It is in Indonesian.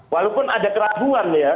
walaupun ada keraguan ya